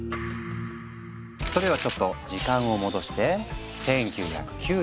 それではちょっと時間を戻して１９９３年。